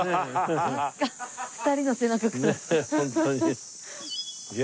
２人の背中から。